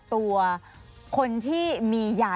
สวัสดีครับ